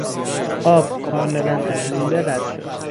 آب کاملا از لوله رد شد.